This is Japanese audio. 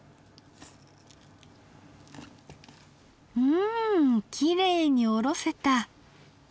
うんきれいにおろせた！